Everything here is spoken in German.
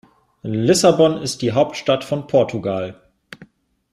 Lissabon ist die Hauptstadt von Portugal.